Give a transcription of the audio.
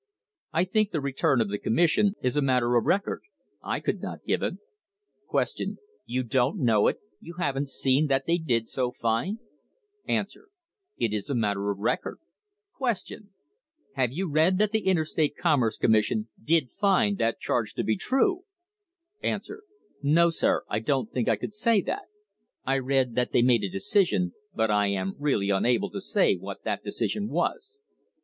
I think the return of the commission is a matter of record; I could not give it. Q. You don't know it; you haven't seen that they did so find ? THE HISTORY OF THE STANDARD OIL COMPANY A. It is a matter of record. Q. Haven't you read that the Interstate Commerce Commission did find that charge to be true ? A. No, sir; I don't think I could say that. I read that they made a decision, but I am really unable to say what that decision was.